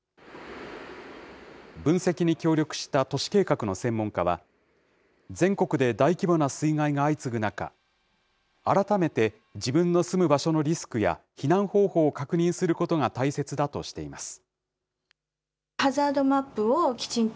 分析に協力した都市計画の専門家は、全国で大規模な水害が相次ぐ中、改めて自分の住む場所のリスクや、避難方法を確認することが大切だとしています。